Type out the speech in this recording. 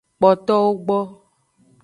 Kpotowo gbo.